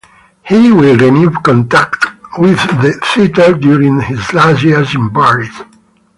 He will renew contact with the theater during his last years in Paris.